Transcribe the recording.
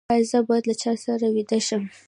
ایا زه باید له چا سره ویده شم؟